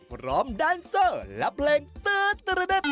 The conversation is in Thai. พร้อมดันเซอร์และเพลงตื๊ดตื๊ดตื๊ด